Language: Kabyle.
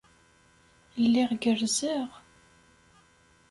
Lliɣ gerrzeɣ.